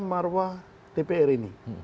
marwah dpr ini